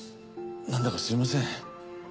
なんだかすみません。